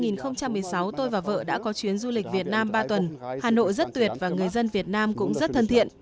năm hai nghìn một mươi sáu tôi và vợ đã có chuyến du lịch việt nam ba tuần hà nội rất tuyệt và người dân việt nam cũng rất thân thiện